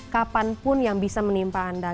kapanpun yang bisa menimpa anda